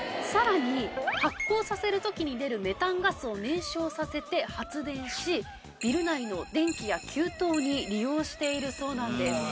さらに発酵させる時に出る。を燃焼させて発電しビル内の電気や給湯に利用しているそうなんです。